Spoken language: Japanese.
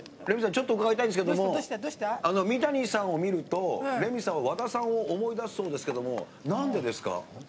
ちょっと伺いたいんですけど三谷さんを見ると、レミさんは和田さんを思い出すそうですけどもなんでですか？